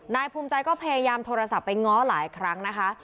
นายภูมิใจก็พยายามโทรศัพท์ไปง้อหลายครั้งนะคะ